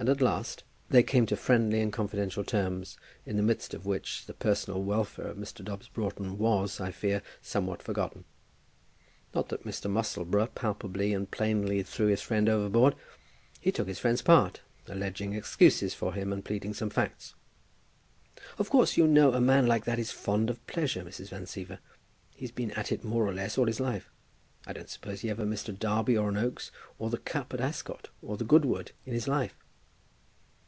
And at last they came to friendly and confidential terms, in the midst of which the personal welfare of Mr. Dobbs Broughton was, I fear, somewhat forgotten. Not that Mr. Musselboro palpably and plainly threw his friend overboard. He took his friend's part, alleging excuses for him, and pleading some facts. "Of course, you know, a man like that is fond of pleasure, Mrs. Van Siever. He's been at it more or less all his life. I don't suppose he ever missed a Derby or an Oaks, or the cup at Ascot, or the Goodwood in his life."